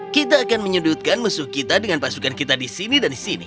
kita akan menyudutkan musuh kita dengan pasukan kita di sini dan di sini